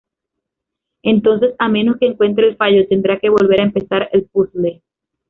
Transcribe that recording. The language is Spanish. Entonces, a menos que encuentre el fallo, tendrá que volver a empezar el puzzle.